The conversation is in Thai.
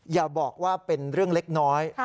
อย่าบอกว่าเป็นเรื่องเล็กน้อย